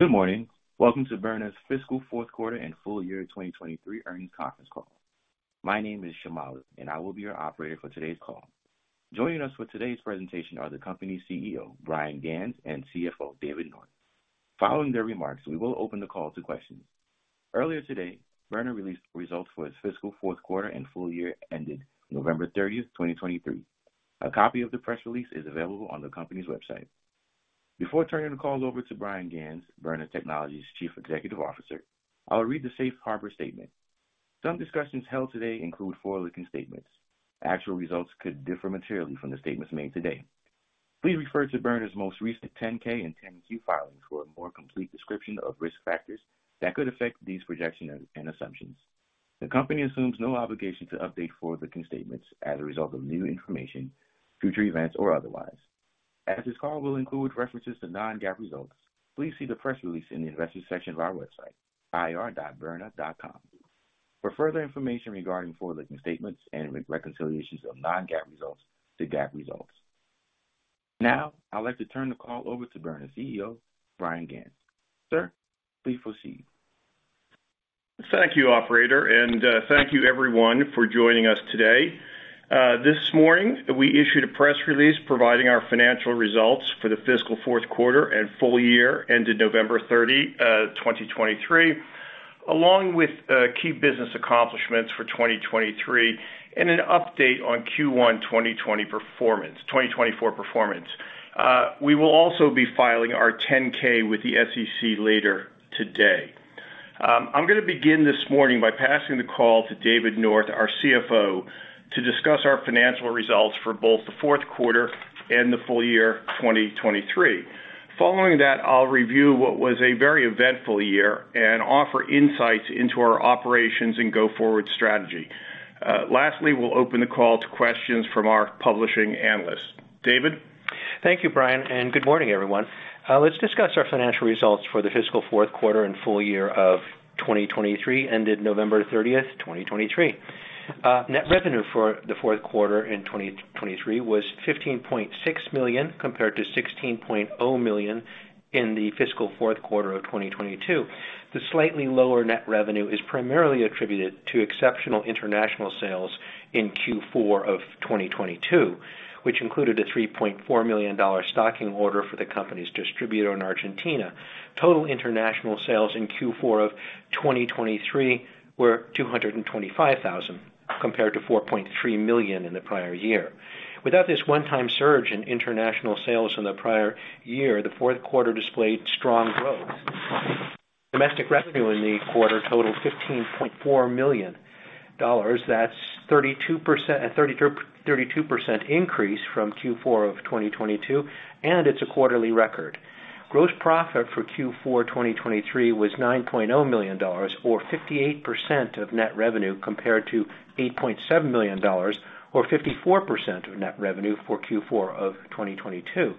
Good morning. Welcome to Byrna's fiscal fourth quarter and full year 2023 earnings conference call. My name is Shamala, and I will be your operator for today's call. Joining us for today's presentation are the company's CEO, Bryan Ganz, and CFO, David North. Following their remarks, we will open the call to questions. Earlier today, Byrna released the results for its fiscal fourth quarter and full year ended November 30, 2023. A copy of the press release is available on the company's website. Before turning the call over to Bryan Ganz, Byrna Technologies' chief executive officer, I will read the Safe Harbor statement. Some discussions held today include forward-looking statements. Actual results could differ materially from the statements made today. Please refer to Byrna's most recent 10-K and 10-Q filings for a more complete description of risk factors that could affect these projections and assumptions. The company assumes no obligation to update forward-looking statements as a result of new information, future events, or otherwise. As this call will include references to non-GAAP results, please see the press release in the investors section of our website, ir.byrna.com, for further information regarding forward-looking statements and reconciliations of non-GAAP results to GAAP results. Now, I'd like to turn the call over to Byrna CEO, Bryan Ganz. Sir, please proceed. Thank you, operator, and thank you everyone for joining us today. This morning, we issued a press release providing our financial results for the fiscal fourth quarter and full year ended November 30, 2023, along with key business accomplishments for 2023, and an update on Q1 2024 performance. We will also be filing our 10-K with the SEC later today. I'm gonna begin this morning by passing the call to David North, our CFO, to discuss our financial results for both the fourth quarter and the full year 2023. Following that, I'll review what was a very eventful year and offer insights into our operations and go-forward strategy. Lastly, we'll open the call to questions from our participating analysts. David? Thank you, Bryan, and good morning, everyone. Let's discuss our financial results for the fiscal fourth quarter and full year of 2023, ended November 30, 2023. Net revenue for the fourth quarter in 2023 was $15.6 million, compared to $16 million in the fiscal fourth quarter of 2022. The slightly lower net revenue is primarily attributed to exceptional international sales in Q4 of 2022, which included a $3.4 million stocking order for the company's distributor in Argentina. Total international sales in Q4 of 2023 were $225,000, compared to $4.3 million in the prior year. Without this one-time surge in international sales in the prior year, the fourth quarter displayed strong growth. Domestic revenue in the quarter totaled $15.4 million. That's 32% increase from Q4 of 2022, and it's a quarterly record. Gross profit for Q4 2023 was $9 million, or 58% of net revenue, compared to $8.7 million, or 54% of net revenue for Q4 of 2022.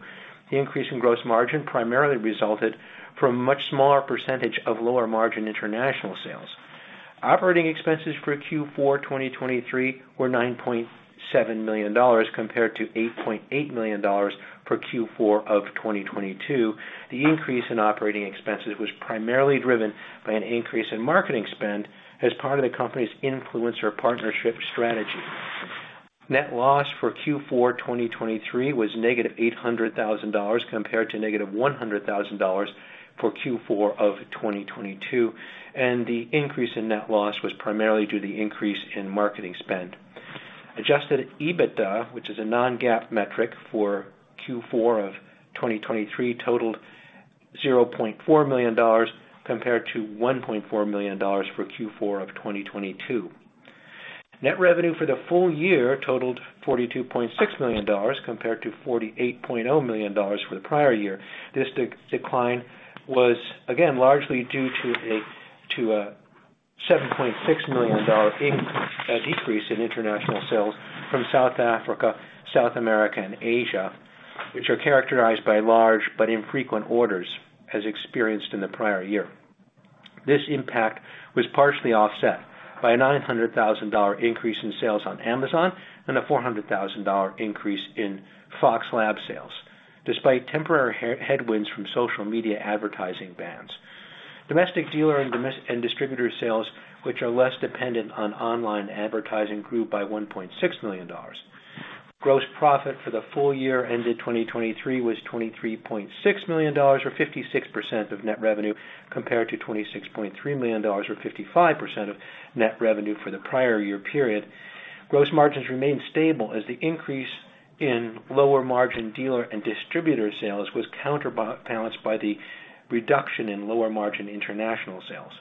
The increase in gross margin primarily resulted from a much smaller percentage of lower-margin international sales. Operating expenses for Q4 2023 were $9.7 million, compared to $8.8 million for Q4 of 2022. The increase in operating expenses was primarily driven by an increase in marketing spend as part of the company's influencer partnership strategy. Net loss for Q4 2023 was -$800,000, compared to -$100,000 for Q4 of 2022, and the increase in net loss was primarily due to the increase in marketing spend. Adjusted EBITDA, which is a non-GAAP metric for Q4 of 2023, totaled $0.4 million, compared to $1.4 million for Q4 of 2022. Net revenue for the full year totaled $42.6 million, compared to $48 million for the prior year. This decline was again, largely due to a $7.6 million decrease in international sales from South Africa, South America, and Asia, which are characterized by large but infrequent orders as experienced in the prior year. This impact was partially offset by a $900,000 increase in sales on Amazon and a $400,000 increase in Fox Labs sales, despite temporary headwinds from social media advertising bans. Domestic dealer and distributor sales, which are less dependent on online advertising, grew by $1.6 million. Gross profit for the full year ended 2023 was $23.6 million, or 56% of net revenue, compared to $26.3 million, or 55% of net revenue for the prior year period. Gross margins remained stable as the increase in lower-margin dealer and distributor sales was counterbalanced by the reduction in lower-margin international sales.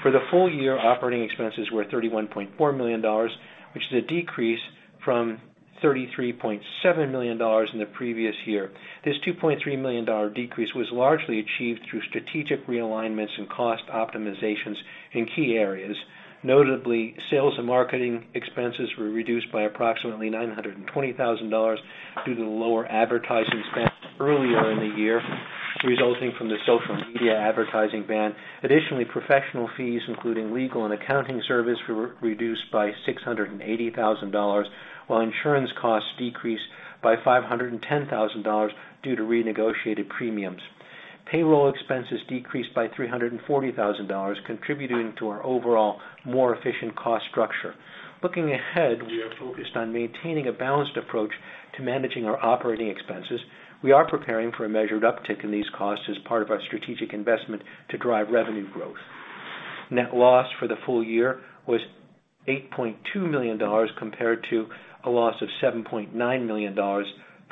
For the full year, operating expenses were $31.4 million, which is a decrease from $33.7 million in the previous year. This $2.3 million decrease was largely achieved through strategic realignments and cost optimizations in key areas. Notably, sales and marketing expenses were reduced by approximately $920,000 due to the lower advertising spend earlier in the year, resulting from the social media advertising ban. Additionally, professional fees, including legal and accounting service, were reduced by $680,000, while insurance costs decreased by $510,000 due to renegotiated premiums. Payroll expenses decreased by $340,000, contributing to our overall more efficient cost structure. Looking ahead, we are focused on maintaining a balanced approach to managing our operating expenses. We are preparing for a measured uptick in these costs as part of our strategic investment to drive revenue growth. Net loss for the full year was $8.2 million, compared to a loss of $7.9 million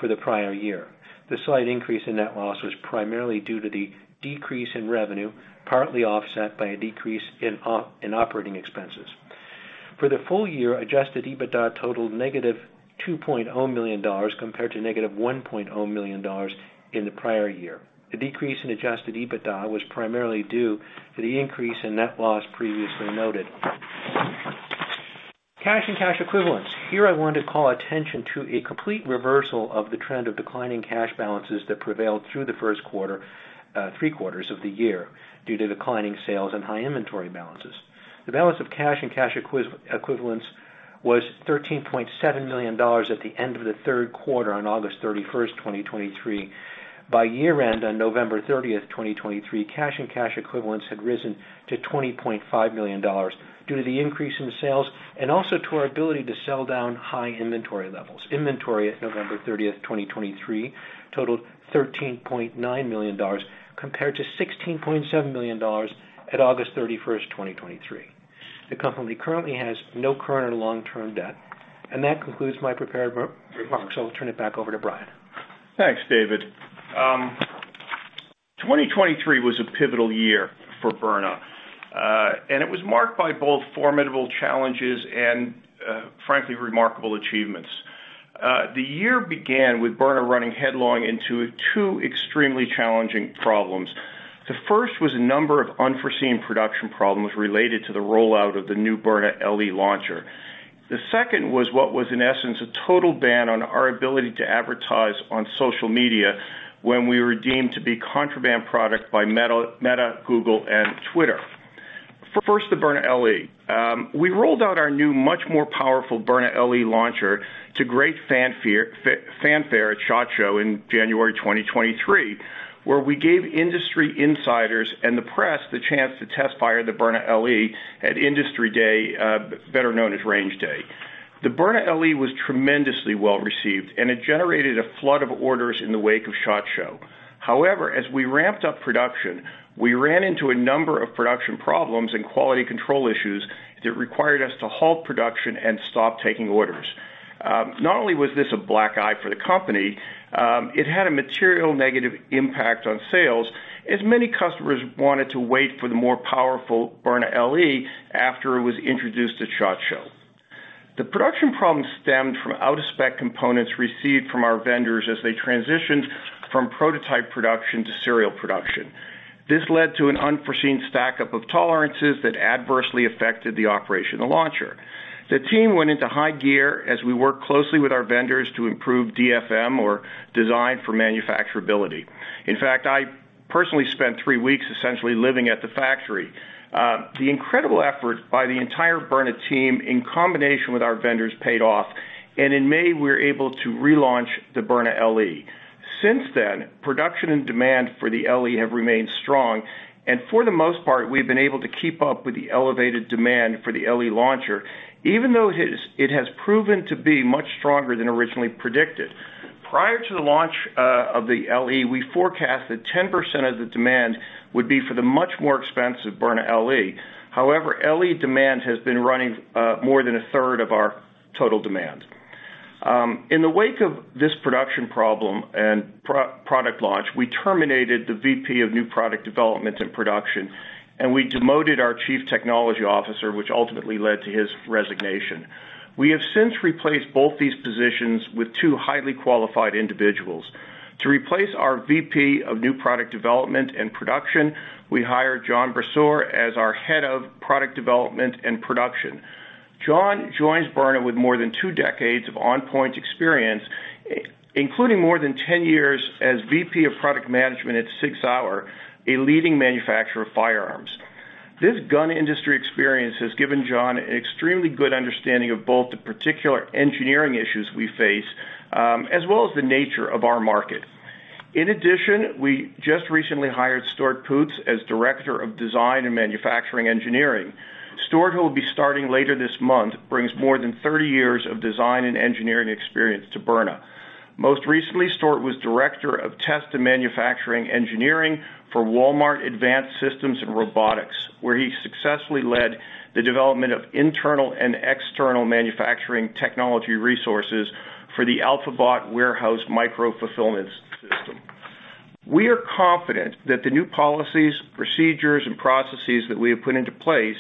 for the prior year. The slight increase in net loss was primarily due to the decrease in revenue, partly offset by a decrease in operating expenses. For the full year, Adjusted EBITDA totaled -$2.0 million, compared to -$1.0 million in the prior year. The decrease in Adjusted EBITDA was primarily due to the increase in net loss previously noted. Cash and cash equivalents. Here I want to call attention to a complete reversal of the trend of declining cash balances that prevailed through the first quarter, three quarters of the year, due to declining sales and high inventory balances. The balance of cash and cash equivalents was $13.7 million at the end of the third quarter on August 31, 2023. By year-end, on November 30, 2023, cash and cash equivalents had risen to $20.5 million due to the increase in sales and also to our ability to sell down high inventory levels. Inventory at November 30, 2023, totaled $13.9 million, compared to $16.7 million at August 31, 2023. The company currently has no current or long-term debt, and that concludes my prepared remarks. I'll turn it back over to Bryan. Thanks, David. 2023 was a pivotal year for Byrna, and it was marked by both formidable challenges and, frankly, remarkable achievements. The year began with Byrna running headlong into two extremely challenging problems. The first was a number of unforeseen production problems related to the rollout of the new Byrna LE launcher. The second was what was, in essence, a total ban on our ability to advertise on social media when we were deemed to be contraband product by Meta, Google, and Twitter. First, the Byrna LE. We rolled out our new, much more powerful Byrna LE launcher to great fanfare at SHOT Show in January 2023, where we gave industry insiders and the press the chance to test-fire the Byrna LE at Industry Day, better known as Range Day. The Byrna LE was tremendously well-received, and it generated a flood of orders in the wake of SHOT Show. However, as we ramped up production, we ran into a number of production problems and quality control issues that required us to halt production and stop taking orders. Not only was this a black eye for the company, it had a material negative impact on sales, as many customers wanted to wait for the more powerful Byrna LE after it was introduced at SHOT Show. The production problem stemmed from out-of-spec components received from our vendors as they transitioned from prototype production to serial production. This led to an unforeseen stackup of tolerances that adversely affected the operation of the launcher. The team went into high gear as we worked closely with our vendors to improve DFM or Design for Manufacturability. In fact, I personally spent three weeks essentially living at the factory. The incredible effort by the entire Byrna team, in combination with our vendors, paid off, and in May, we were able to relaunch the Byrna LE. Since then, production and demand for the LE have remained strong, and for the most part, we've been able to keep up with the elevated demand for the LE launcher, even though it has proven to be much stronger than originally predicted. Prior to the launch of the LE, we forecast that 10% of the demand would be for the much more expensive Byrna LE. However, LE demand has been running more than a third of our total demand. In the wake of this production problem and product launch, we terminated the VP of New Product Development and Production, and we demoted our Chief Technology Officer, which ultimately led to his resignation. We have since replaced both these positions with two highly qualified individuals. To replace our VP of New Product Development and Production, we hired John Brasseur as our Head of Product Development and Production. John joins Byrna with more than two decades of on-point experience, including more than 10 years as VP of Product Management at SIG Sauer, a leading manufacturer of firearms. This gun industry experience has given John an extremely good understanding of both the particular engineering issues we face, as well as the nature of our market. In addition, we just recently hired Stuart Poots as Director of Design and Manufacturing Engineering. Stuart, who will be starting later this month, brings more than 30 years of design and engineering experience to Byrna. Most recently, Stuart was Director of Test and Manufacturing Engineering for Walmart Advanced Systems and Robotics, where he successfully led the development of internal and external manufacturing technology resources for the Alphabot warehouse micro-fulfillment system. We are confident that the new policies, procedures, and processes that we have put into place,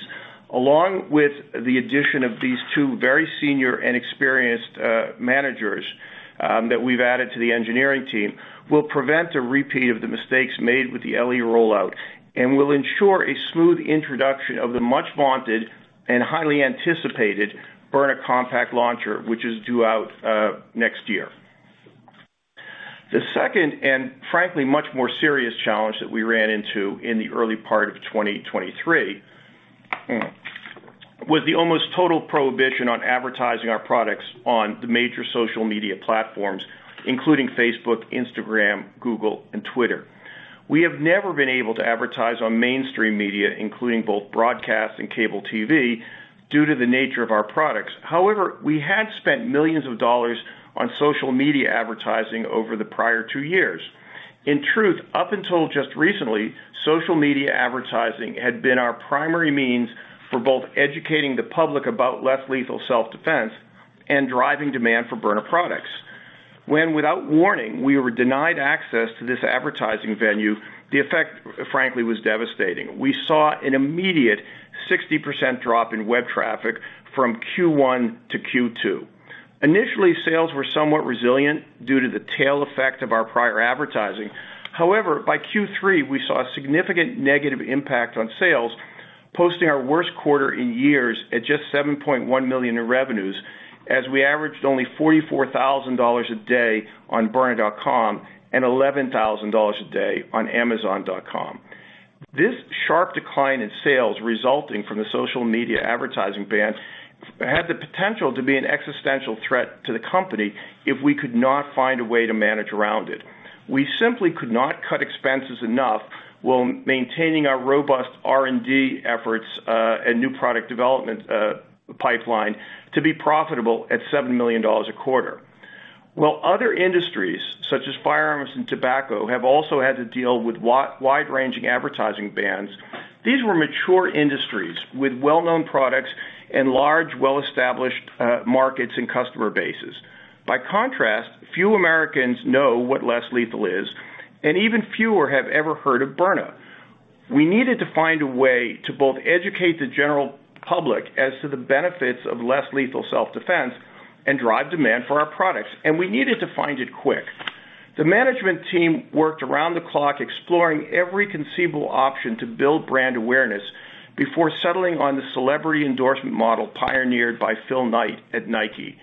along with the addition of these two very senior and experienced managers that we've added to the engineering team, will prevent a repeat of the mistakes made with the LE rollout and will ensure a smooth introduction of the much-vaunted and highly anticipated Byrna compact launcher, which is due out next year. The second, and frankly, much more serious challenge that we ran into in the early part of 2023, with the almost total prohibition on advertising our products on the major social media platforms, including Facebook, Instagram, Google, and Twitter. We have never been able to advertise on mainstream media, including both broadcast and cable TV, due to the nature of our products. However, we had spent millions of dollars on social media advertising over the prior two years. In truth, up until just recently, social media advertising had been our primary means for both educating the public about less lethal self-defense and driving demand for Byrna products. When, without warning, we were denied access to this advertising venue, the effect, frankly, was devastating. We saw an immediate 60% drop in web traffic from Q1 to Q2. Initially, sales were somewhat resilient due to the tail effect of our prior advertising. However, by Q3, we saw a significant negative impact on sales, posting our worst quarter in years at just $7.1 million in revenues, as we averaged only $44,000 a day on Byrna.com and $11,000 a day on Amazon.com. This sharp decline in sales, resulting from the social media advertising ban, had the potential to be an existential threat to the company if we could not find a way to manage around it. We simply could not cut expenses enough while maintaining our robust R&D efforts, and new product development pipeline, to be profitable at $7 million a quarter. While other industries, such as firearms and tobacco, have also had to deal with wide-ranging advertising bans, these were mature industries with well-known products and large, well-established markets and customer bases. By contrast, few Americans know what less lethal is, and even fewer have ever heard of Byrna. We needed to find a way to both educate the general public as to the benefits of less lethal self-defense and drive demand for our products, and we needed to find it quick. The management team worked around the clock, exploring every conceivable option to build brand awareness before settling on the celebrity endorsement model pioneered by Phil Knight at Nike.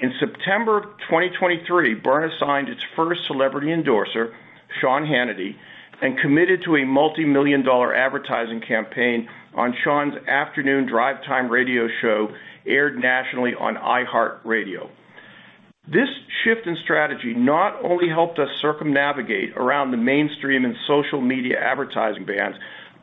In September 2023, Byrna signed its first celebrity endorser, Sean Hannity, and committed to a multimillion-dollar advertising campaign on Sean's afternoon drive time radio show, aired nationally on iHeartRadio. This shift in strategy not only helped us circumnavigate around the mainstream and social media advertising bans,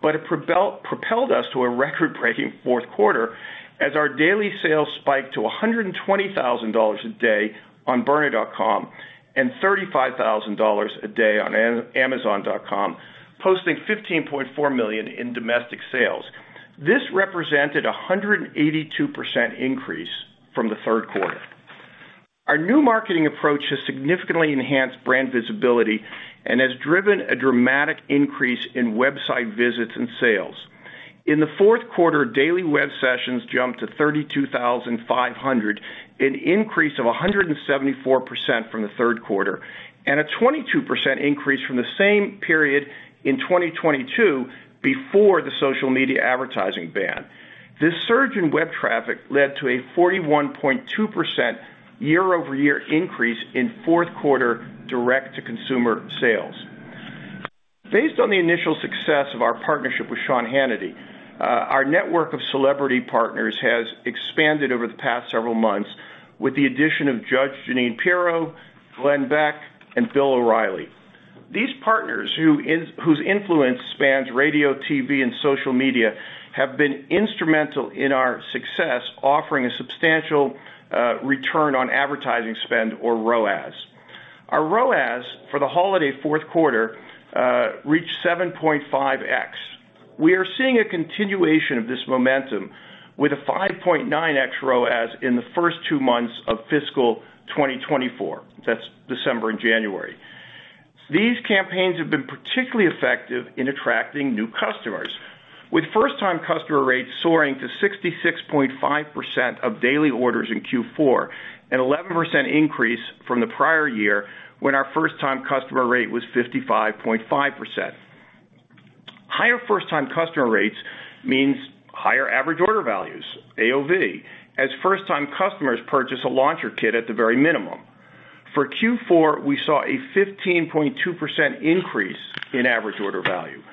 but it propelled us to a record-breaking fourth quarter, as our daily sales spiked to $120,000 a day on Byrna.com and $35,000 a day on Amazon.com, posting $15.4 million in domestic sales. This represented a 182% increase from the third quarter. Our new marketing approach has significantly enhanced brand visibility and has driven a dramatic increase in website visits and sales. In the fourth quarter, daily web sessions jumped to 32,500, an increase of 174% from the third quarter, and a 22% increase from the same period in 2022 before the social media advertising ban. This surge in web traffic led to a 41.2% year-over-year increase in fourth quarter direct-to-consumer sales. Based on the initial success of our partnership with Sean Hannity, our network of celebrity partners has expanded over the past several months with the addition of Judge Jeanine Pirro, Glenn Beck, and Bill O'Reilly. These partners, whose influence spans radio, TV, and social media, have been instrumental in our success, offering a substantial return on advertising spend or ROAS. Our ROAS for the holiday fourth quarter reached 7.5x. We are seeing a continuation of this momentum with a 5.9x ROAS in the first two months of fiscal 2024. That's December and January. These campaigns have been particularly effective in attracting new customers, with first-time customer rates soaring to 66.5% of daily orders in Q4, an 11% increase from the prior year when our first-time customer rate was 55.5%. Higher first-time customer rates means higher average order values, AOV, as first-time customers purchase a launcher kit at the very minimum. For Q4, we saw a 15.2% increase in average order value.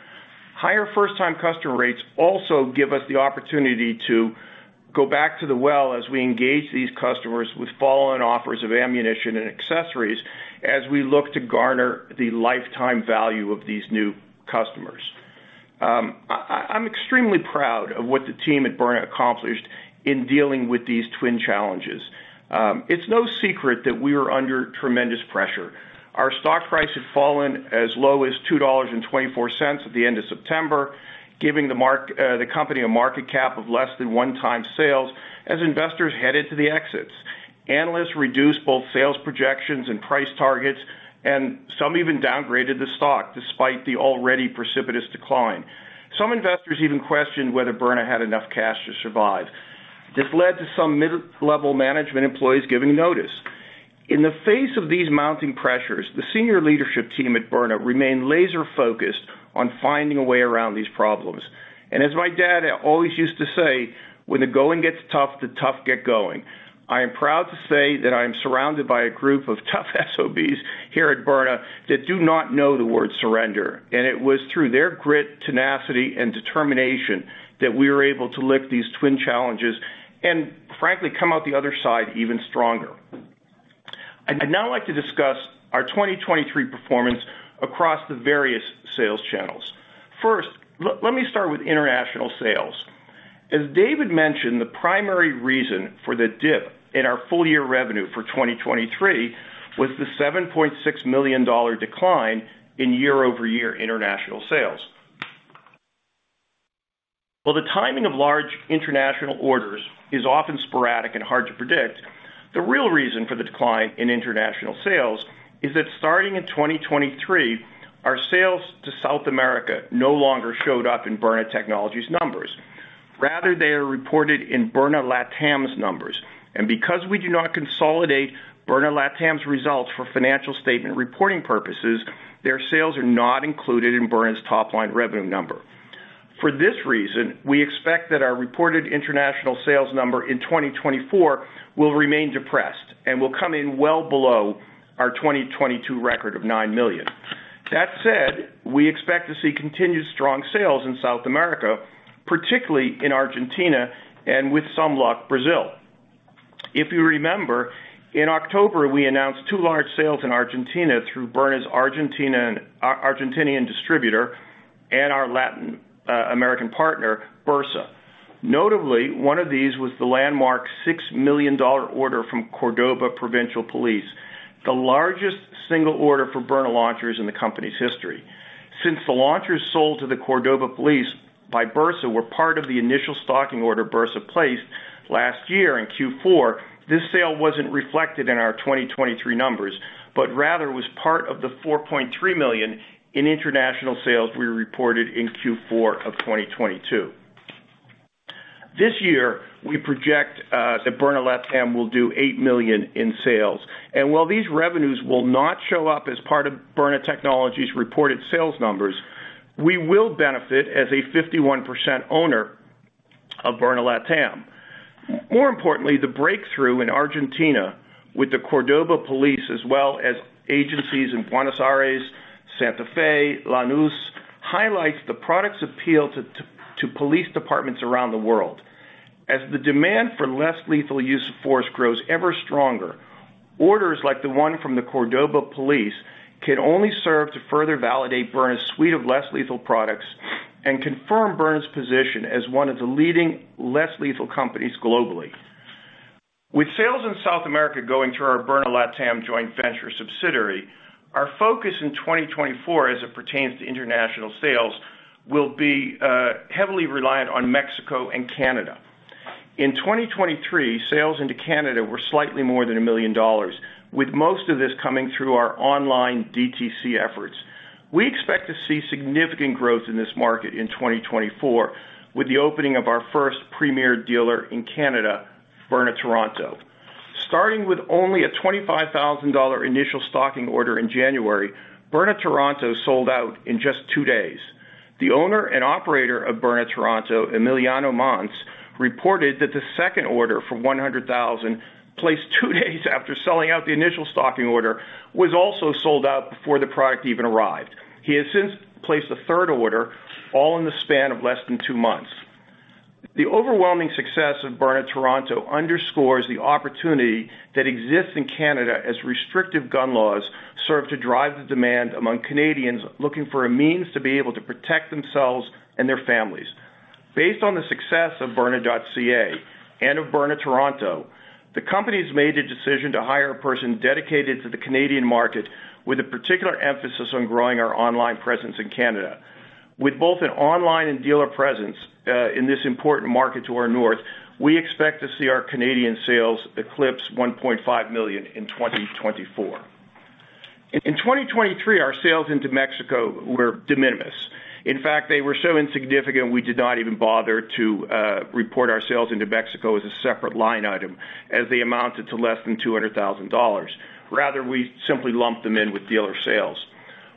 Higher first-time customer rates also give us the opportunity to go back to the well as we engage these customers with follow-on offers of ammunition and accessories as we look to garner the lifetime value of these new customers. I'm extremely proud of what the team at Byrna accomplished in dealing with these twin challenges. It's no secret that we were under tremendous pressure. Our stock price had fallen as low as $2.24 at the end of September, giving the company a market cap of less than 1x sales as investors headed to the exits. Analysts reduced both sales projections and price targets, and some even downgraded the stock, despite the already precipitous decline. Some investors even questioned whether Byrna had enough cash to survive. This led to some mid-level management employees giving notice. In the face of these mounting pressures, the senior leadership team at Byrna remained laser-focused on finding a way around these problems. And as my dad always used to say, "When the going gets tough, the tough get going."... I am proud to say that I am surrounded by a group of tough SOBs here at Byrna that do not know the word surrender, and it was through their grit, tenacity, and determination that we were able to lift these twin challenges and frankly, come out the other side even stronger. I'd now like to discuss our 2023 performance across the various sales channels. First, let me start with international sales. As David mentioned, the primary reason for the dip in our full year revenue for 2023 was the $7.6 million decline in year-over-year international sales. While the timing of large international orders is often sporadic and hard to predict, the real reason for the decline in international sales is that starting in 2023, our sales to South America no longer showed up in Byrna Technologies numbers. Rather, they are reported in Byrna LATAM's numbers, and because we do not consolidate Byrna LATAM's results for financial statement reporting purposes, their sales are not included in Byrna's top-line revenue number. For this reason, we expect that our reported international sales number in 2024 will remain depressed and will come in well below our 2022 record of $9 million. That said, we expect to see continued strong sales in South America, particularly in Argentina and with some luck, Brazil. If you remember, in October, we announced two large sales in Argentina through Byrna's Argentinian distributor and our Latin American partner, Bersa. Notably, one of these was the landmark $6 million order from Córdoba Provincial Police, the largest single order for Byrna launchers in the company's history. Since the launchers sold to the Córdoba police by Bersa were part of the initial stocking order Bersa placed last year in Q4, this sale wasn't reflected in our 2023 numbers, but rather was part of the $4.3 million in international sales we reported in Q4 of 2022. This year, we project that Byrna LATAM will do $8 million in sales. And while these revenues will not show up as part of Byrna Technologies' reported sales numbers, we will benefit as a 51% owner of Byrna LATAM. More importantly, the breakthrough in Argentina with the Córdoba police, as well as agencies in Buenos Aires, Santa Fe, Lanús, highlights the product's appeal to police departments around the world. As the demand for less lethal use of force grows ever stronger, orders like the one from the Córdoba police can only serve to further validate Byrna's suite of less lethal products and confirm Byrna's position as one of the leading less lethal companies globally. With sales in South America going through our Byrna LATAM joint venture subsidiary, our focus in 2024, as it pertains to international sales, will be, heavily reliant on Mexico and Canada. In 2023, sales into Canada were slightly more than $1 million, with most of this coming through our online DTC efforts. We expect to see significant growth in this market in 2024, with the opening of our first premier dealer in Canada, Byrna Toronto. Starting with only a $25,000 initial stocking order in January, Byrna Toronto sold out in just two days. The owner and operator of Byrna Toronto, Emiliano Mons, reported that the second order for $100,000, placed two days after selling out the initial stocking order, was also sold out before the product even arrived. He has since placed a third order, all in the span of less than two months. The overwhelming success of Byrna Toronto underscores the opportunity that exists in Canada as restrictive gun laws serve to drive the demand among Canadians looking for a means to be able to protect themselves and their families. Based on the success of byrna.ca and of Byrna Toronto, the company's made a decision to hire a person dedicated to the Canadian market, with a particular emphasis on growing our online presence in Canada. With both an online and dealer presence in this important market to our north, we expect to see our Canadian sales eclipse $1.5 million in 2024. In 2023, our sales into Mexico were de minimis. In fact, they were so insignificant, we did not even bother to report our sales into Mexico as a separate line item, as they amounted to less than $200,000. Rather, we simply lumped them in with dealer sales.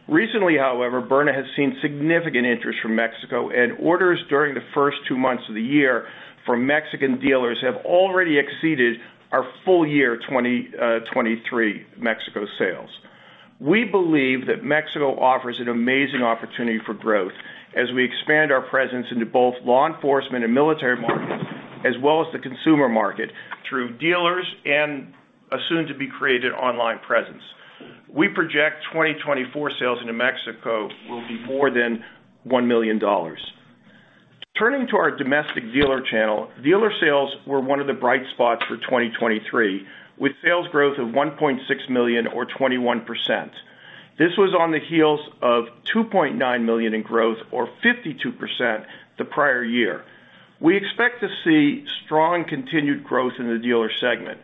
Recently, however, Byrna has seen significant interest from Mexico, and orders during the first two months of the year from Mexican dealers have already exceeded our full year 2023 Mexico sales. We believe that Mexico offers an amazing opportunity for growth as we expand our presence into both law enforcement and military markets, as well as the consumer market, through dealers and a soon-to-be-created online presence. We project 2024 sales into Mexico will be more than $1 million. Turning to our domestic dealer channel, dealer sales were one of the bright spots for 2023, with sales growth of $1.6 million or 21%. This was on the heels of $2.9 million in growth or 52% the prior year. We expect to see strong continued growth in the dealer segment.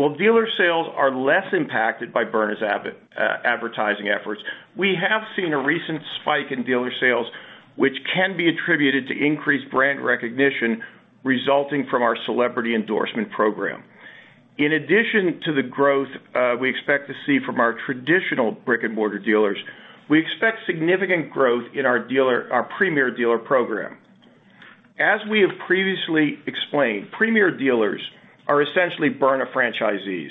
While dealer sales are less impacted by Byrna's advertising efforts, we have seen a recent spike in dealer sales, which can be attributed to increased brand recognition resulting from our celebrity endorsement program. In addition to the growth we expect to see from our traditional brick-and-mortar dealers, we expect significant growth in our premier dealer program. As we have previously explained, premier dealers are essentially Byrna franchisees.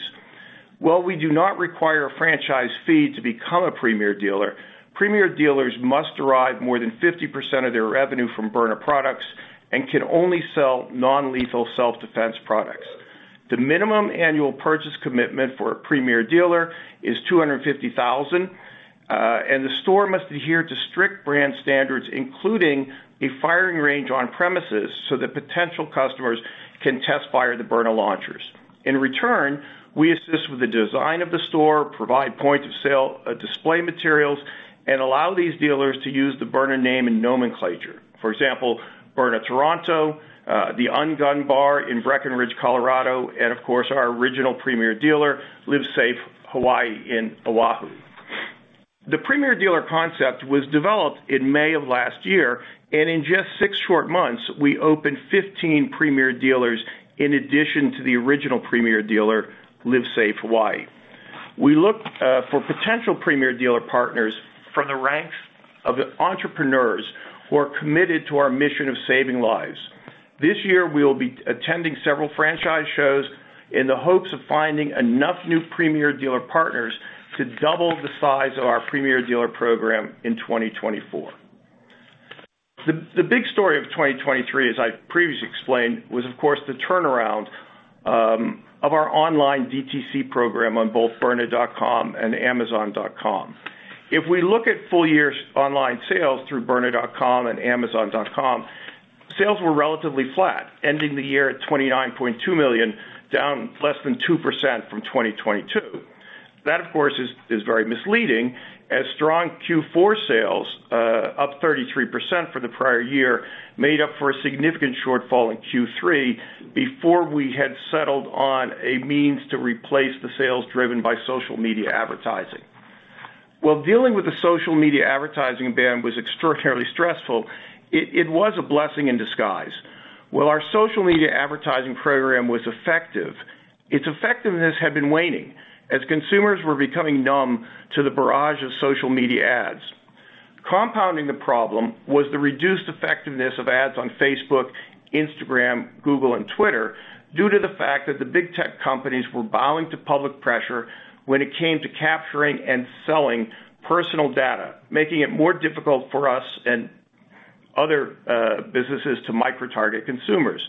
While we do not require a franchise fee to become a premier dealer, premier dealers must derive more than 50% of their revenue from Byrna products and can only sell non-lethal self-defense products. The minimum annual purchase commitment for a premier dealer is $250,000, and the store must adhere to strict brand standards, including a firing range on premises, so that potential customers can test-fire the Byrna launchers. In return, we assist with the design of the store, provide point-of-sale display materials, and allow these dealers to use the Byrna name and nomenclature. For example, Byrna Toronto, The UnGun Bar in Breckenridge, Colorado, and of course, our original premier dealer, Live Safe Hawaii in Oahu. The premier dealer concept was developed in May of last year, and in just six short months, we opened 15 premier dealers in addition to the original premier dealer, Live Safe Hawaii. We look for potential premier dealer partners from the ranks of entrepreneurs who are committed to our mission of saving lives. This year, we'll be attending several franchise shows in the hopes of finding enough new premier dealer partners to double the size of our premier dealer program in 2024. The big story of 2023, as I previously explained, was, of course, the turnaround of our online DTC program on both Byrna.com and Amazon.com. If we look at full year's online sales through Byrna.com and Amazon.com, sales were relatively flat, ending the year at $29.2 million, down less than 2% from 2022. That, of course, is very misleading, as strong Q4 sales up 33% for the prior year made up for a significant shortfall in Q3 before we had settled on a means to replace the sales driven by social media advertising. While dealing with the social media advertising ban was extraordinarily stressful, it was a blessing in disguise. While our social media advertising program was effective, its effectiveness had been waning as consumers were becoming numb to the barrage of social media ads. Compounding the problem was the reduced effectiveness of ads on Facebook, Instagram, Google, and Twitter, due to the fact that the big tech companies were bowing to public pressure when it came to capturing and selling personal data, making it more difficult for us and other businesses to micro-target consumers.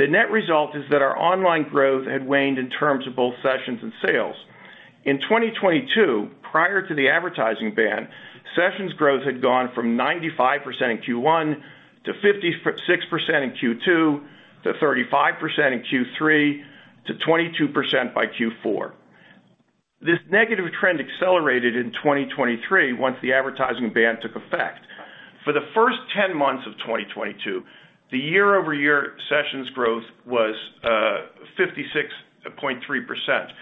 The net result is that our online growth had waned in terms of both sessions and sales. In 2022, prior to the advertising ban, sessions growth had gone from 95% in Q1, to 56% in Q2, to 35% in Q3, to 22% by Q4. This negative trend accelerated in 2023 once the advertising ban took effect. For the first 10 months of 2022, the year-over-year sessions growth was 56.3%.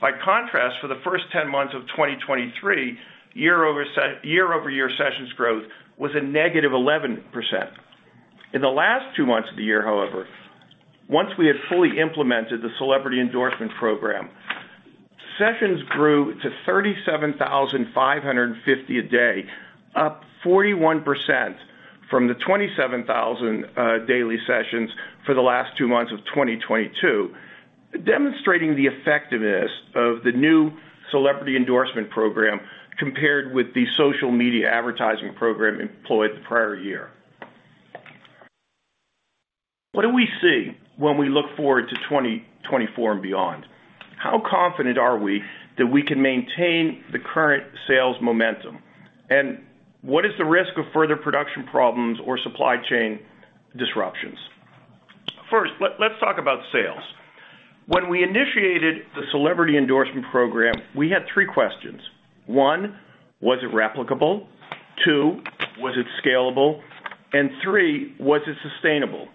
By contrast, for the first 10 months of 2023, year-over-year sessions growth was a negative 11%. In the last two months of the year, however, once we had fully implemented the celebrity endorsement program, sessions grew to 37,500 a day, up 41% from the 27,000 daily sessions for the last two months of 2022, demonstrating the effectiveness of the new celebrity endorsement program compared with the social media advertising program employed the prior year. What do we see when we look forward to 2024 and beyond? How confident are we that we can maintain the current sales momentum? And what is the risk of further production problems or supply chain disruptions? First, let's talk about sales. When we initiated the celebrity endorsement program, we had three questions: One, was it replicable? Two, was it scalable? And three, was it sustainable?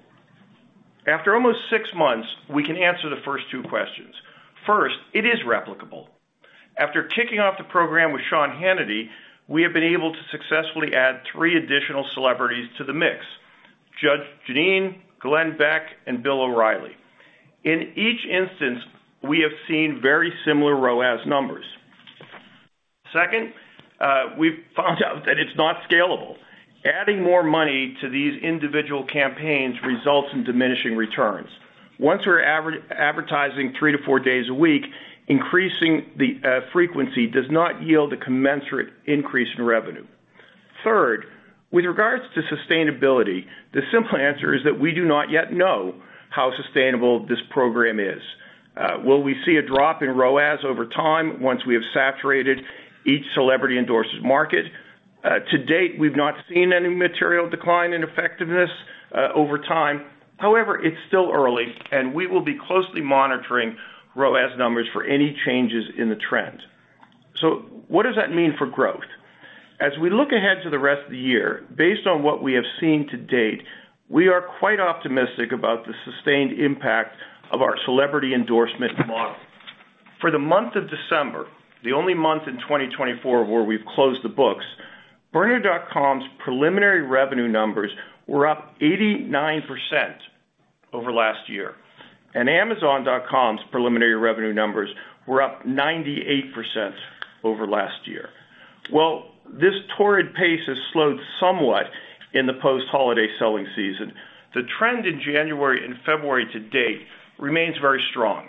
After almost six months, we can answer the first two questions. First, it is replicable. After kicking off the program with Sean Hannity, we have been able to successfully add three additional celebrities to the mix: Judge Jeanine, Glenn Beck, and Bill O'Reilly. In each instance, we have seen very similar ROAS numbers. Second, we've found out that it's not scalable. Adding more money to these individual campaigns results in diminishing returns. Once we're advertising three to four days a week, increasing the frequency does not yield a commensurate increase in revenue. Third, with regards to sustainability, the simple answer is that we do not yet know how sustainable this program is. Will we see a drop in ROAS over time once we have saturated each celebrity endorses market? To date, we've not seen any material decline in effectiveness over time. However, it's still early, and we will be closely monitoring ROAS numbers for any changes in the trend. So what does that mean for growth? As we look ahead to the rest of the year, based on what we have seen to date, we are quite optimistic about the sustained impact of our celebrity endorsement model.... For the month of December, the only month in 2024 where we've closed the books, Byrna.com's preliminary revenue numbers were up 89% over last year, and Amazon.com's preliminary revenue numbers were up 98% over last year. Well, this torrid pace has slowed somewhat in the post-holiday selling season. The trend in January and February to date remains very strong.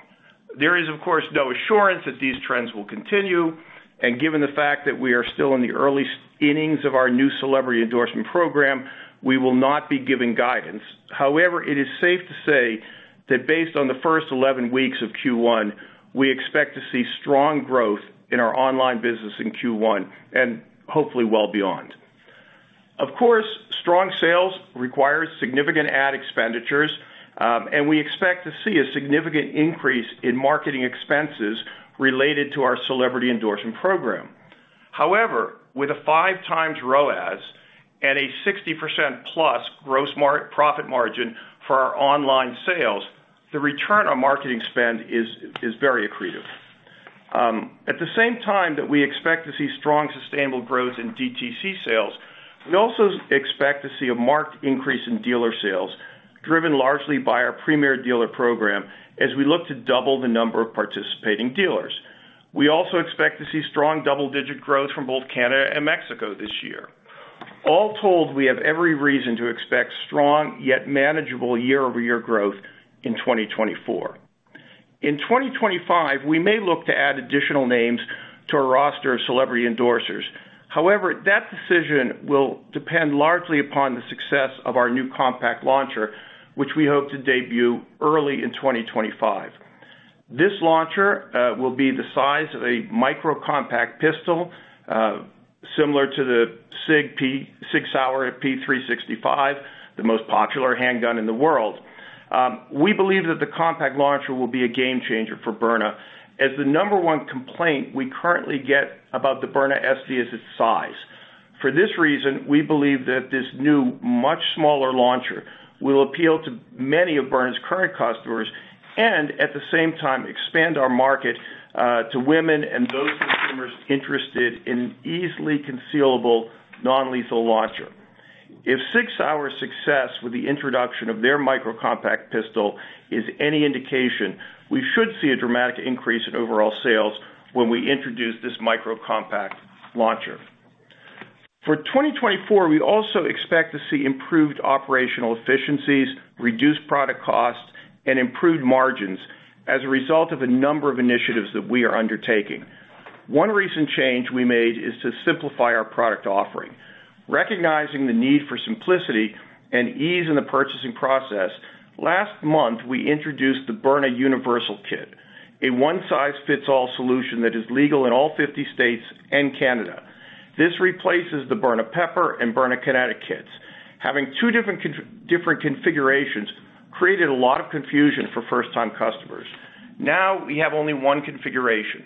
There is, of course, no assurance that these trends will continue, and given the fact that we are still in the early innings of our new celebrity endorsement program, we will not be giving guidance. However, it is safe to say that based on the first 11 weeks of Q1, we expect to see strong growth in our online business in Q1 and hopefully well beyond. Of course, strong sales requires significant ad expenditures, and we expect to see a significant increase in marketing expenses related to our celebrity endorsement program. However, with a 5x ROAS and a 60%+ gross profit margin for our online sales, the return on marketing spend is very accretive. At the same time that we expect to see strong, sustainable growth in DTC sales, we also expect to see a marked increase in dealer sales, driven largely by our Premier Dealer program, as we look to double the number of participating dealers. We also expect to see strong double-digit growth from both Canada and Mexico this year. All told, we have every reason to expect strong, yet manageable year-over-year growth in 2024. In 2025, we may look to add additional names to our roster of celebrity endorsers. However, that decision will depend largely upon the success of our new compact launcher, which we hope to debut early in 2025. This launcher will be the size of a micro compact pistol, similar to the SIG Sauer P365, the most popular handgun in the world. We believe that the compact launcher will be a game changer for Byrna, as the number one complaint we currently get about the Byrna SD is its size. For this reason, we believe that this new, much smaller launcher will appeal to many of Byrna's current customers and at the same time, expand our market to women and those consumers interested in easily concealable, non-lethal launcher. If SIG Sauer's success with the introduction of their micro compact pistol is any indication, we should see a dramatic increase in overall sales when we introduce this micro compact launcher. For 2024, we also expect to see improved operational efficiencies, reduced product costs, and improved margins as a result of a number of initiatives that we are undertaking. One recent change we made is to simplify our product offering. Recognizing the need for simplicity and ease in the purchasing process, last month, we introduced the Byrna Universal Kit, a one-size-fits-all solution that is legal in all 50 states and Canada. This replaces the Byrna Pepper and Byrna Kinetic kits. Having two different configurations created a lot of confusion for first-time customers. Now, we have only one configuration.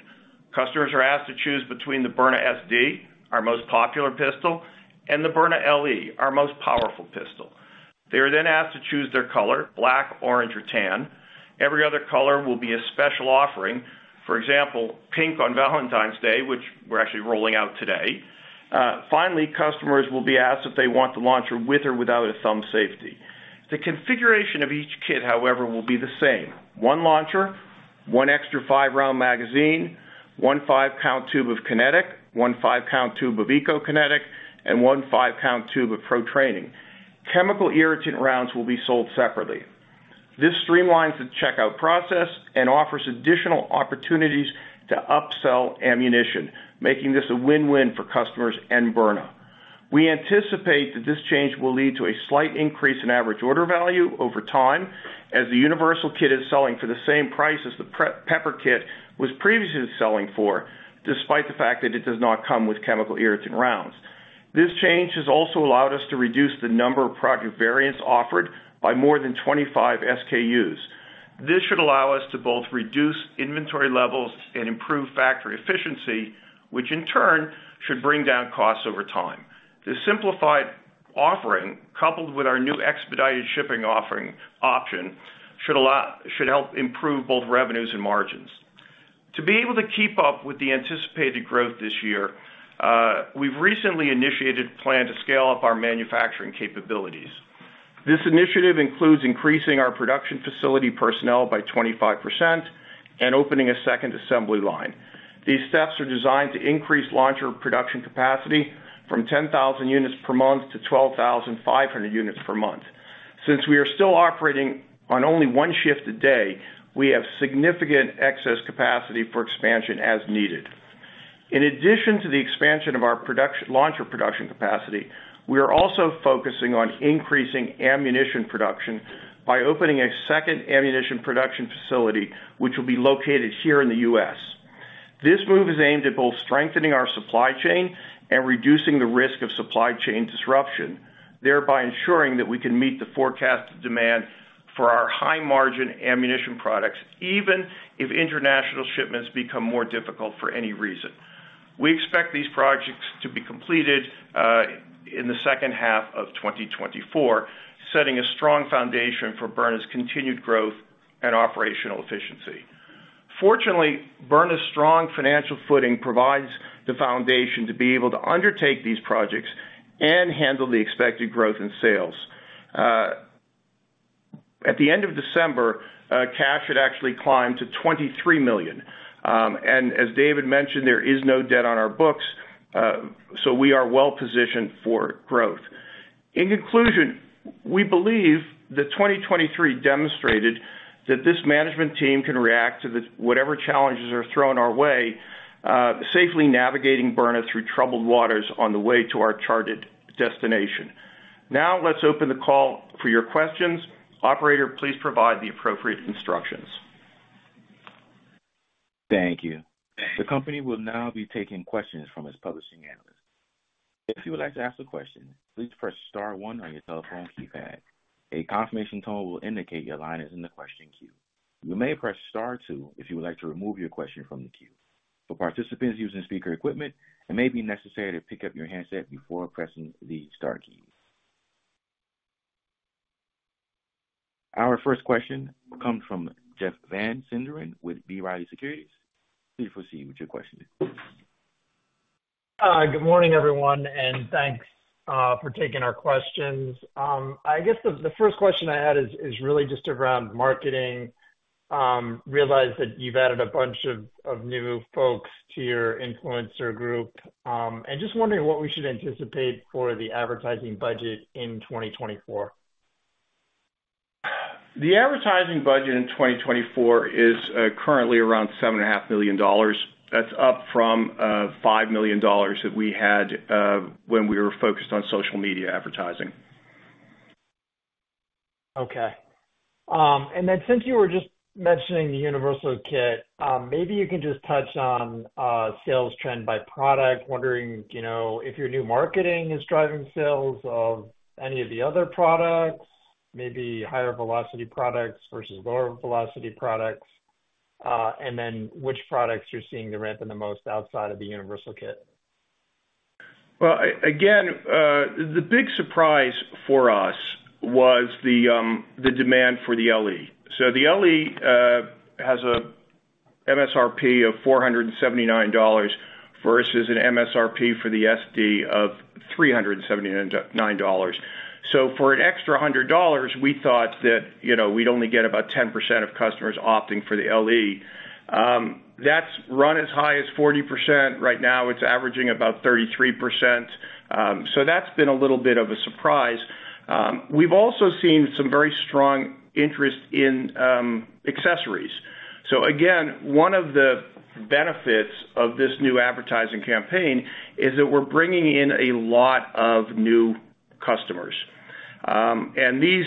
Customers are asked to choose between the Byrna SD, our most popular pistol, and the Byrna LE, our most powerful pistol. They are then asked to choose their color: black, orange, or tan. Every other color will be a special offering. For example, pink on Valentine's Day, which we're actually rolling out today. Finally, customers will be asked if they want the launcher with or without a thumb safety. The configuration of each kit, however, will be the same. One launcher, one extra 5-round magazine, one five-count tube of kinetic, one five-count tube of Eco-Kinetic, and one five-count tube of Pro-Training. Chemical irritant rounds will be sold separately. This streamlines the checkout process and offers additional opportunities to upsell ammunition, making this a win-win for customers and Byrna. We anticipate that this change will lead to a slight increase in average order value over time, as the universal kit is selling for the same price as the Pepper Kit was previously selling for, despite the fact that it does not come with chemical irritant rounds. This change has also allowed us to reduce the number of product variants offered by more than 25 SKUs. This should allow us to both reduce inventory levels and improve factory efficiency, which in turn, should bring down costs over time. This simplified offering, coupled with our new expedited shipping option, should help improve both revenues and margins. To be able to keep up with the anticipated growth this year, we've recently initiated a plan to scale up our manufacturing capabilities. This initiative includes increasing our production facility personnel by 25% and opening a second assembly line. These steps are designed to increase launcher production capacity from 10,000 units per month to 12,500 units per month. Since we are still operating on only one shift a day, we have significant excess capacity for expansion as needed. In addition to the expansion of our production, launcher production capacity, we are also focusing on increasing ammunition production by opening a second ammunition production facility, which will be located here in the US. This move is aimed at both strengthening our supply chain and reducing the risk of supply chain disruption, thereby ensuring that we can meet the forecasted demand for our high-margin ammunition products, even if international shipments become more difficult for any reason. We expect these projects to be completed in the second half of 2024, setting a strong foundation for Byrna's continued growth and operational efficiency. Fortunately, Byrna's strong financial footing provides the foundation to be able to undertake these projects and handle the expected growth in sales. At the end of December, cash had actually climbed to $23 million. And as David mentioned, there is no debt on our books, so we are well positioned for growth. In conclusion, we believe that 2023 demonstrated that this management team can react to whatever challenges are thrown our way, safely navigating Byrna through troubled waters on the way to our charted destination. Now, let's open the call for your questions. Operator, please provide the appropriate instructions. Thank you. The company will now be taking questions from its publishing analyst. If you would like to ask a question, please press star one on your telephone keypad. A confirmation tone will indicate your line is in the question queue. You may press star two if you would like to remove your question from the queue. For participants using speaker equipment, it may be necessary to pick up your handset before pressing the star key. Our first question comes from Jeff Van Sinderen with B. Riley Securities. Please proceed with your question. Good morning, everyone, and thanks for taking our questions. I guess the first question I had is really just around marketing. Realized that you've added a bunch of new folks to your influencer group, and just wondering what we should anticipate for the advertising budget in 2024. The advertising budget in 2024 is currently around $7.5 million. That's up from $5 million that we had when we were focused on social media advertising. Okay. And then since you were just mentioning the universal kit, maybe you can just touch on sales trend by product. Wondering, you know, if your new marketing is driving sales of any of the other products, maybe higher velocity products versus lower velocity products, and then which products you're seeing the ramp in the most outside of the universal kit? Well, again, the big surprise for us was the demand for the LE. So the LE has a MSRP of $479 versus an MSRP for the SD of $379. So for an extra $100, we thought that, you know, we'd only get about 10% of customers opting for the LE. That's run as high as 40%. Right now, it's averaging about 33%. So that's been a little bit of a surprise. We've also seen some very strong interest in accessories. So again, one of the benefits of this new advertising campaign is that we're bringing in a lot of new customers. And these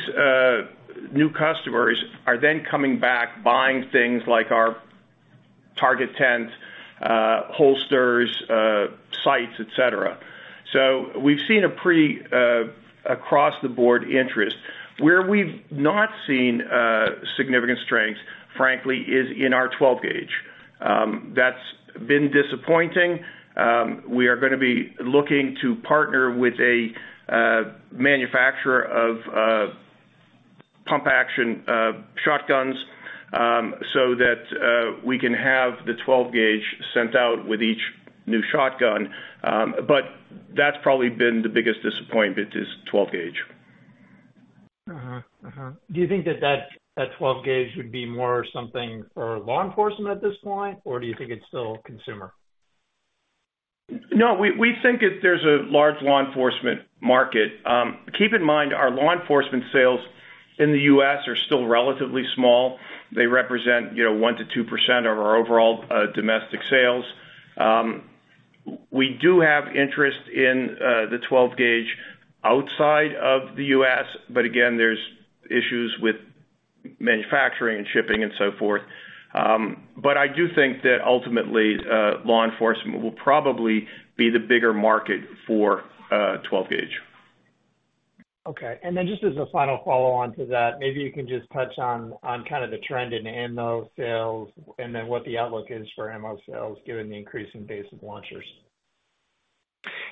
new customers are then coming back, buying things like our Target Tent, holsters, sights, et cetera. So we've seen a pretty across-the-board interest. Where we've not seen significant strength, frankly, is in our 12 gauge. That's been disappointing. We are gonna be looking to partner with a manufacturer of pump action shotguns, so that we can have the 12 gauge sent out with each new shotgun. But that's probably been the biggest disappointment, is 12 gauge. Uh-huh. Uh-huh. Do you think that 12 gauge would be more something for law enforcement at this point, or do you think it's still consumer? No, we think that there's a large law enforcement market. Keep in mind, our law enforcement sales in the U.S. are still relatively small. They represent, you know, 1%-2% of our overall domestic sales. We do have interest in the 12 gauge outside of the U.S., but again, there's issues with manufacturing and shipping and so forth. But I do think that ultimately, law enforcement will probably be the bigger market for 12 gauge. Okay, and then just as a final follow-on to that, maybe you can just touch on, on kind of the trend in ammo sales and then what the outlook is for ammo sales, given the increase in base of launchers?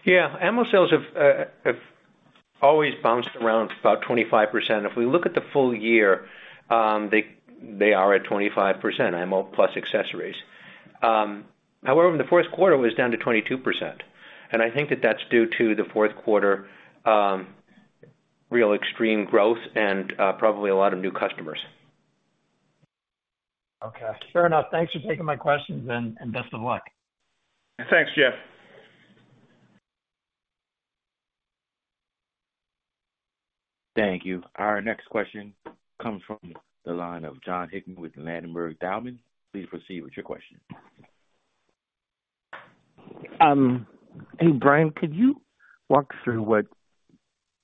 Yeah, ammo sales have always bounced around about 25%. If we look at the full year, they are at 25%, ammo plus accessories. However, in the fourth quarter, it was down to 22%, and I think that's due to the fourth quarter real extreme growth and probably a lot of new customers. Okay, fair enough. Thanks for taking my questions, and best of luck. Thanks, Jeff. Thank you. Our next question comes from the line of John Hickman with Ladenburg Thalmann. Please proceed with your question. Hey, Bryan, could you walk through what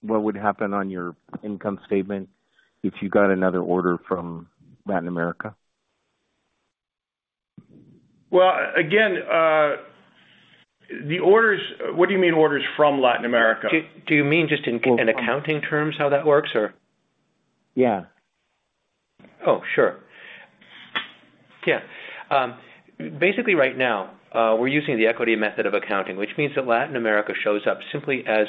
would happen on your income statement if you got another order from Latin America? Well, again, the orders-- What do you mean orders from Latin America? Do you mean just in accounting terms, how that works, or? Yeah.... Oh, sure. Yeah. Basically right now, we're using the equity method of accounting, which means that Latin America shows up simply as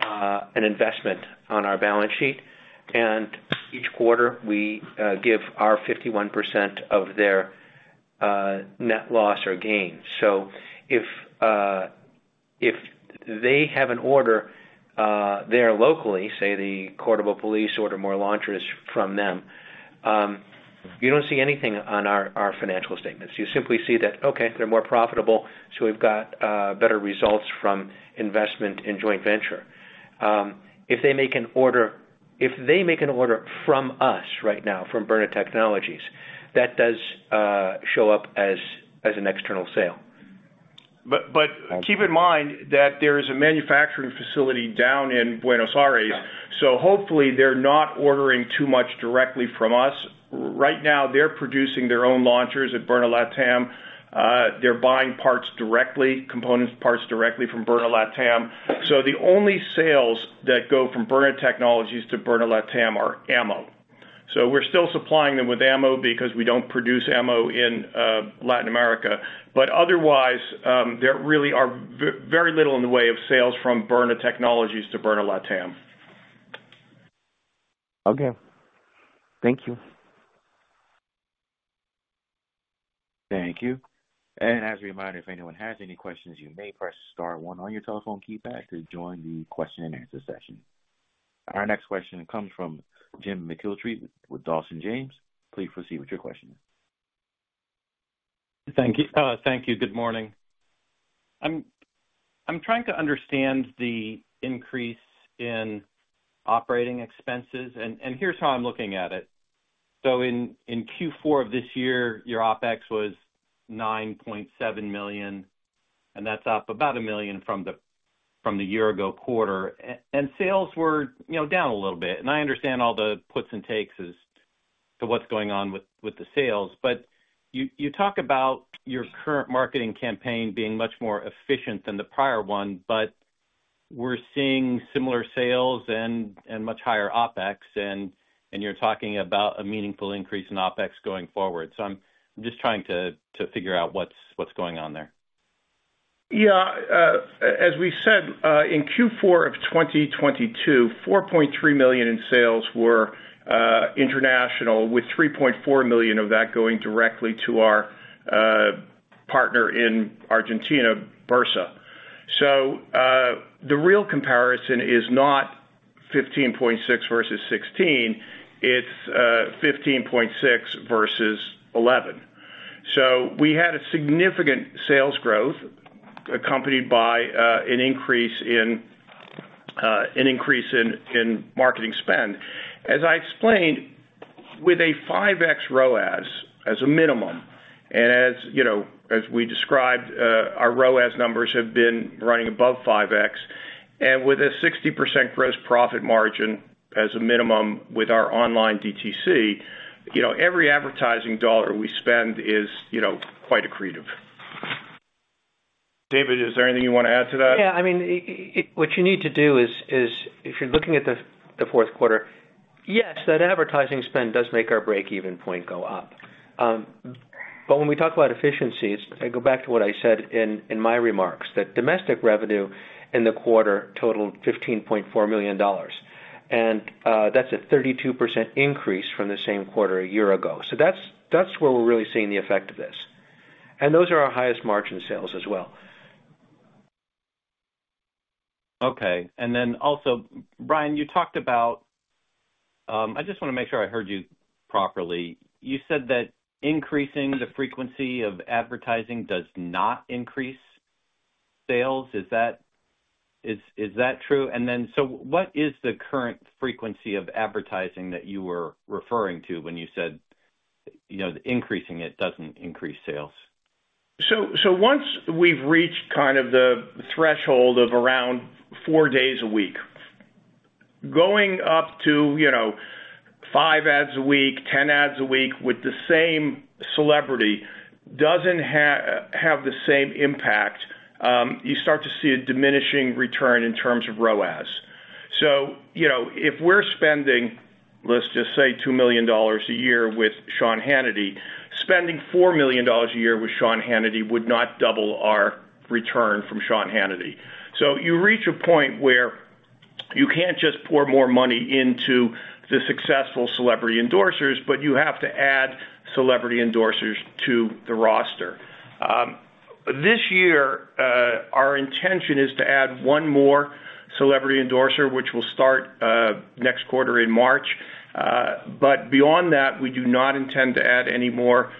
an investment on our balance sheet. And each quarter, we give our 51% of their net loss or gain. So if they have an order there locally, say, the Córdoba police order more launchers from them, you don't see anything on our financial statements. You simply see that, okay, they're more profitable, so we've got better results from investment in joint venture. If they make an order from us right now, from Byrna Technologies, that does show up as an external sale. keep in mind that there is a manufacturing facility down in Buenos Aires, so hopefully they're not ordering too much directly from us. Right now, they're producing their own launchers at Byrna LATAM. They're buying parts directly, components, parts directly from Byrna LATAM. So the only sales that go from Byrna Technologies to Byrna LATAM are ammo. So we're still supplying them with ammo because we don't produce ammo in Latin America. But otherwise, there really are very little in the way of sales from Byrna Technologies to Byrna LATAM. Okay. Thank you. Thank you. As a reminder, if anyone has any questions, you may press star one on your telephone keypad to join the question and answer session. Our next question comes from Jim McIlree with Dawson James. Please proceed with your question. Thank you. Thank you. Good morning. I'm trying to understand the increase in operating expenses, and here's how I'm looking at it. So in Q4 of this year, your OpEx was $9.7 million, and that's up about $1 million from the year-ago quarter. And sales were, you know, down a little bit. And I understand all the puts and takes as to what's going on with the sales. But you talk about your current marketing campaign being much more efficient than the prior one, but we're seeing similar sales and much higher OpEx, and you're talking about a meaningful increase in OpEx going forward. So I'm just trying to figure out what's going on there. Yeah. As we said, in Q4 of 2022, $4.3 million in sales were international, with $3.4 million of that going directly to our partner in Argentina, Bersa. So, the real comparison is not $15.6 versus $16, it's $15.6 versus $11. So we had a significant sales growth accompanied by an increase in marketing spend. As I explained, with a 5x ROAS as a minimum, and as, you know, as we described, our ROAS numbers have been running above 5x, and with a 60% gross profit margin as a minimum with our online DTC, you know, every advertising dollar we spend is, you know, quite accretive. David, is there anything you want to add to that? Yeah, I mean, what you need to do is if you're looking at the fourth quarter, yes, that advertising spend does make our break-even point go up. But when we talk about efficiencies, I go back to what I said in my remarks, that domestic revenue in the quarter totaled $15.4 million, and that's a 32% increase from the same quarter a year ago. So that's, that's where we're really seeing the effect of this. And those are our highest margin sales as well. Okay. And then also, Bryan, you talked about... I just wanna make sure I heard you properly. You said that increasing the frequency of advertising does not increase sales. Is that true? And then, so what is the current frequency of advertising that you were referring to when you said, you know, increasing it doesn't increase sales? Once we've reached kind of the threshold of around four days a week, going up to, you know, five ads a week, 10 ads a week with the same celebrity doesn't have the same impact. You start to see a diminishing return in terms of ROAS. So, you know, if we're spending, let's just say, $2 million a year with Sean Hannity, spending $4 million a year with Sean Hannity would not double our return from Sean Hannity. So you reach a point where you can't just pour more money into the successful celebrity endorsers, but you have to add celebrity endorsers to the roster. This year, our intention is to add one more celebrity endorser, which will start next quarter in March. But beyond that, we do not intend to add any more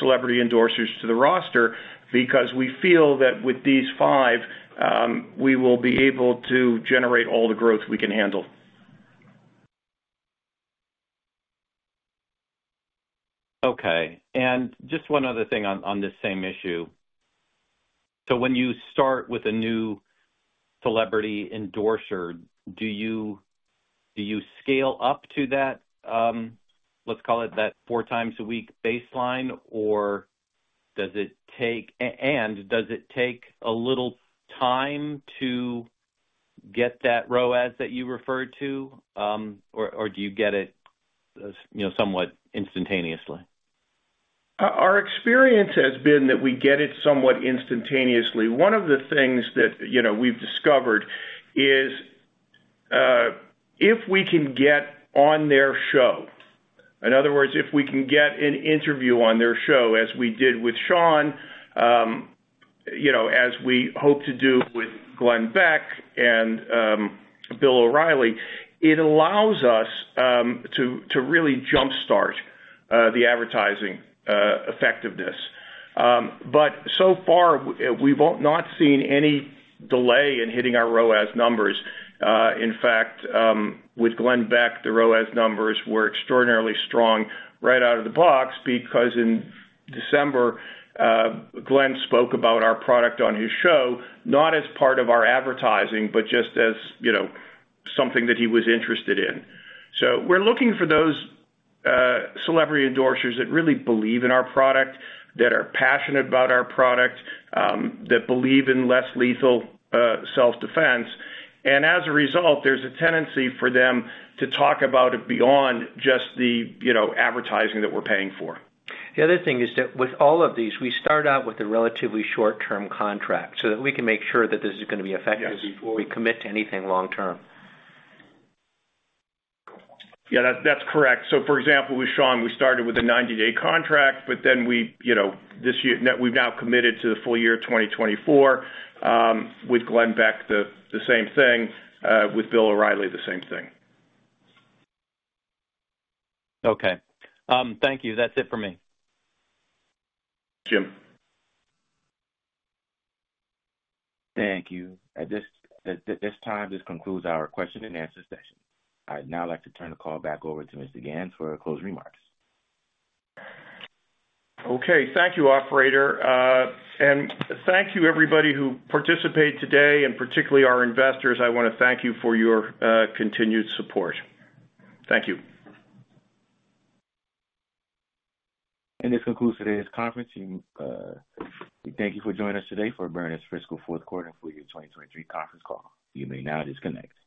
celebrity endorsers to the roster, because we feel that with these five, we will be able to generate all the growth we can handle. Okay. Just one other thing on this same issue. So when you start with a new celebrity endorser, do you scale up to that, let's call it that four times a week baseline, or does it take... and does it take a little time to-... get that ROAS that you referred to, or do you get it, you know, somewhat instantaneously? Our experience has been that we get it somewhat instantaneously. One of the things that, you know, we've discovered is, if we can get on their show, in other words, if we can get an interview on their show, as we did with Sean, you know, as we hope to do with Glenn Beck and, Bill O'Reilly, it allows us, to really jumpstart, the advertising, effectiveness. But so far, we've not seen any delay in hitting our ROAS numbers. In fact, with Glenn Beck, the ROAS numbers were extraordinarily strong right out of the box, because in December, Glenn spoke about our product on his show, not as part of our advertising, but just as, you know, something that he was interested in. So we're looking for those, celebrity endorsers that really believe in our product, that are passionate about our product, that believe in less lethal, self-defense. And as a result, there's a tendency for them to talk about it beyond just the, you know, advertising that we're paying for. The other thing is that with all of these, we start out with a relatively short-term contract, so that we can make sure that this is gonna be effective- Yes. before we commit to anything long term. Yeah, that's correct. So for example, with Sean, we started with a 90-day contract, but then we, you know, this year, we've now committed to the full year of 2024. With Glenn Beck, the same thing. With Bill O'Reilly, the same thing. Okay. Thank you. That's it for me. Jim. Thank you. At this time, this concludes our question and answer session. I'd now like to turn the call back over to Mr. Ganz for closing remarks. Okay, thank you, operator. Thank you everybody who participated today, and particularly our investors. I want to thank you for your continued support. Thank you. This concludes today's conference. We thank you for joining us today for Byrna's fiscal fourth quarter and full year 2023 conference call. You may now disconnect.